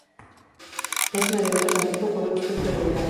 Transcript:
Es un elemento complejo, con un aspecto irregular.